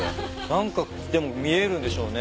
何かでも見えるんでしょうね